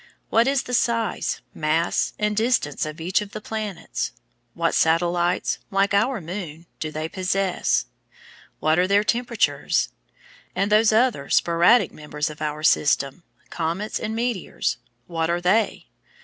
What is the size, mass, and distance of each of the planets? What satellites, like our Moon, do they possess? What are their temperatures? And those other, sporadic members of our system, comets and meteors, what are they?